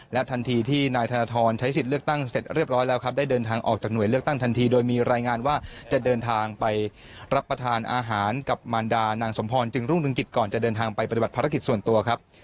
ทันทีที่นายธนทรใช้สิทธิ์เลือกตั้งเสร็จเรียบร้อยแล้วครับได้เดินทางออกจากหน่วยเลือกตั้งทันทีโดยมีรายงานว่าจะเดินทางไปรับประทานอาหารกับมารดานางสมพรจึงรุ่งเรืองกิจก่อนจะเดินทางไปปฏิบัติภารกิจส่วนตัวครับ